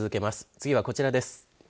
次はこちらです。